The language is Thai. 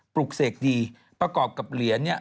ปลุกเสกดีประกอบกับเหรียญเนี่ย